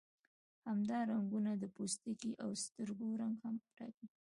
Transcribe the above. همدا رنګونه د پوستکي او سترګو رنګ هم ټاکي.